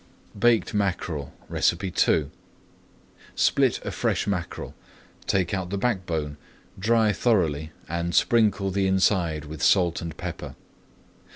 BAKED MACKEREL II Split a fresh mackerel, take out the backbone, dry thoroughly, and sprinkle the inside with salt and pepper.